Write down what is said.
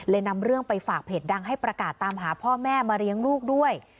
นำเรื่องไปฝากเพจดังให้ประกาศตามหาพ่อแม่มาเลี้ยงลูกด้วย